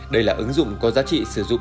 đây là ứng dụng có giá trị sử dụng